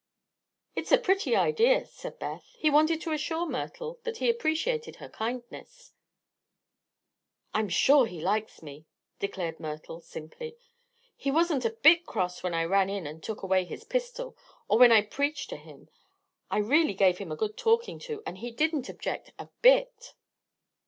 "It's a pretty idea," said Beth. "He wanted to assure Myrtle that he appreciated her kindness." "I'm sure he likes me," declared Myrtle, simply. "He wasn't a bit cross when I ran in and took away his pistol, or when I preached to him. I really gave him a good talking to, and he didn't object a bit."